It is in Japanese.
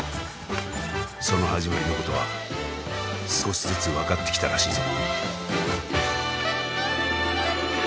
その始まりのことは少しずつ分かってきたらしいぞ。